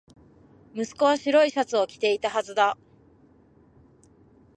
息子は白いシャツを着ていたはずだ